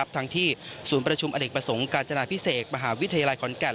ทั้งที่สูญประชุมอเด็กประสงค์การรจนาพิเศษบวิทยาลัยคอนแก๊ด